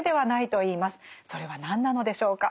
それは何なのでしょうか。